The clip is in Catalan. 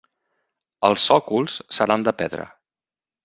Els sòcols seran de pedra.